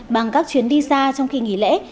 bằng các chuyến đi xa trong khi nghỉ lễ